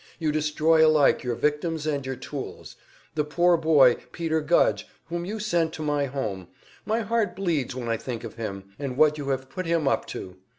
You destroy alike your victims and your tools. The poor boy, Peter Gudge, whom you sent to my home my heart bleeds when I think of him, and what you have put him up to!